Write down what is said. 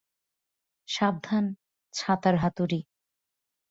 সাবধানে, ছাতার হাতুড়ি!